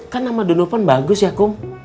kan nama donopan bagus ya kum